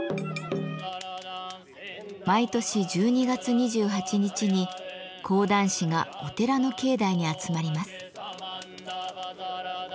毎年１２月２８日に講談師がお寺の境内に集まります。